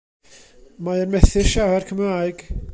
Mae e'n methu siarad Cymraeg.